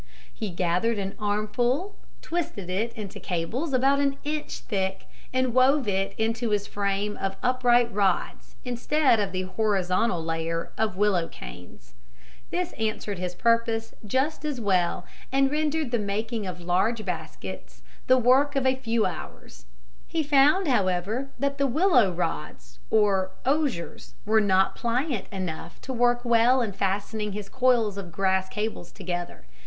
He gathered an armful, twisted it into cables about an inch thick and wove it into his frame of upright rods instead of the horizontal layer of willow canes. This answered his purpose just as well and rendered the making of large baskets the work of a few hours. He found, however, that the willow rods or osiers were not pliant enough to work well in fastening his coils of grass cables together.